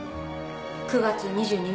９月２２日に。